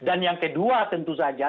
dan yang kedua tentu saja